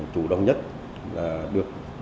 chủ động nhất là được